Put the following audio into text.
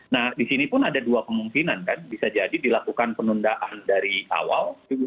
nah di sini pun ada dua kemungkinan kan bisa jadi dilakukan penundaan dari awal